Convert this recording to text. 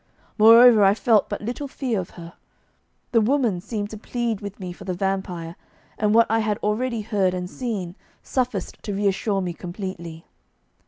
Moreover, I felt but little fear of her. The woman seemed to plead with me for the vampire, and what I had already heard and seen sufficed to reassure me completely.